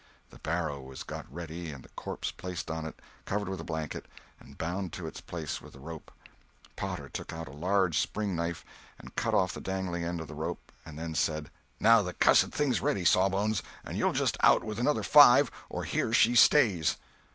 The barrow was got ready and the corpse placed on it, covered with a blanket, and bound to its place with the rope. Potter took out a large spring knife and cut off the dangling end of the rope and then said: "Now the cussed thing's ready, Sawbones, and you'll just out with another five, or here she stays."